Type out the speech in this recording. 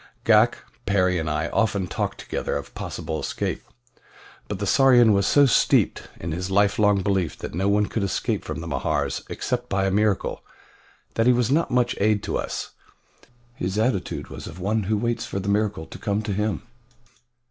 Ghak, Perry, and I often talked together of possible escape, but the Sarian was so steeped in his lifelong belief that no one could escape from the Mahars except by a miracle, that he was not much aid to us his attitude was of one who waits for the miracle to come to him.